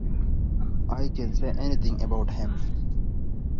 I can't say anything about him.